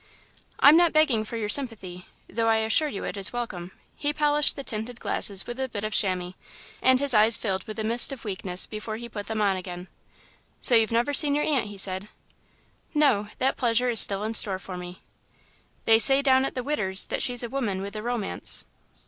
"I'm not begging for your sympathy, though I assure you it is welcome." He polished the tinted glasses with a bit of chamois.. and his eyes filled with the mist of weakness before he put them on again. "So you've never seen your aunt," he said. "No that pleasure is still in store for me." "They say down at the 'Widder's' that she's a woman with a romance."